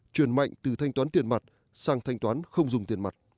chuyển mạnh từ thanh toán tiền mặt sang thanh toán không dùng tiền mặt